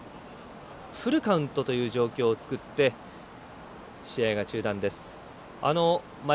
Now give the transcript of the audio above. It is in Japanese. フルカウントという状況を作って試合が中断です。